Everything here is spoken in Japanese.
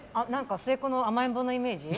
末っ子の甘えん坊のイメージ？